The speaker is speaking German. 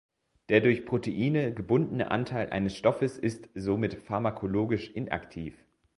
Der durch Proteine gebundene Anteil eines Stoffes ist somit pharmakologisch inaktiv.